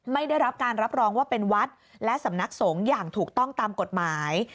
ไม่ได้รับการรับรองว่าเป็นวัดและสำนักสงฆ์อย่างถูกต้องตามกฎหมาย